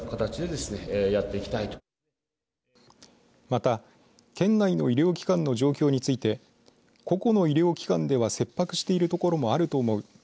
また県内の医療機関の状況について個々の医療機関では切迫しているところもあると思う。